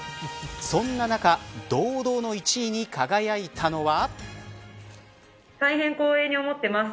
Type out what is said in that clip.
そんな中、堂々の１位に輝いたのは。